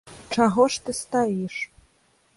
Чаго ж ты стаіш?